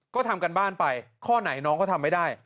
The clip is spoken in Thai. ก็ทำการบ้านไปข้อไหนน้องเขาทำไม่ได้